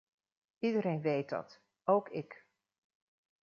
Iedereen weet dat, ook ik.